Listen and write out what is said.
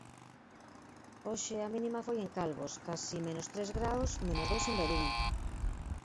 Hoxe a mínima foi en Calvos, case menos tres graos, menos dous en Verín.